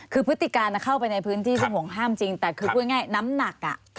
คือพฤติการเข้าไปในพื้นที่ซึ่งห่วงห้ามจริงแต่คือพูดง่ายน้ำหนัก